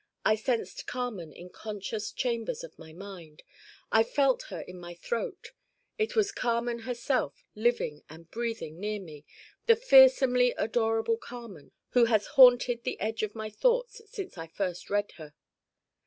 I sensed Carmen in conscious chambers of my Mind. I felt her in my throat. It was Carmen herself living and breathing near me, the fearsomely adorable Carmen who has haunted the edge of my thoughts since I first read her.